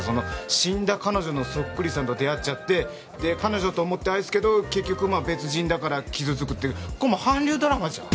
死んだ彼女のそっくりさんと出会っちゃってで彼女と思って愛すけど結局別人だから傷つくってこれもう韓流ドラマじゃん！